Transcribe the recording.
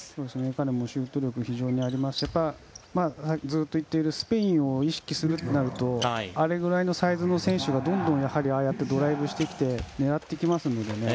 彼もシュート力が非常にありますしずっと言っているスペインを意識するとなるとあれぐらいのサイズの選手がどんどんとドライブしてきて狙ってきますので。